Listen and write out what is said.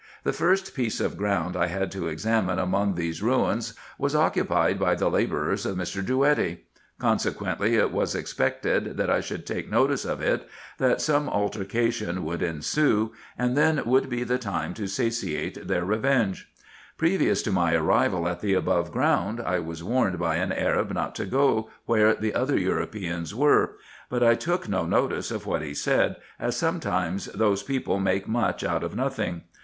The first piece of ground I had to examine among these ruins, was occupied by the labourers of Mr. Drouetti ; consequently, it was expected that I should take notice of it, that some altercation would ensue, and then would be the time to satiate their revenge. Previous to my arrival at the above ground, I was warned by an Arab not to go where the other Europeans were ; but I took no notice of what he said, as sometimes those people make much out of nothing.